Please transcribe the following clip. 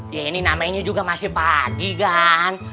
ya ini namanya juga masih pagi kan